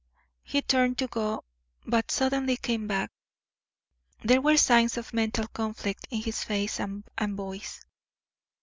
He turned to go, but suddenly came back. There were signs of mental conflict in his face and voice.